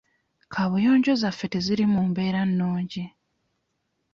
Kabuyonjo zaffe teziri mu mbeera nnungi.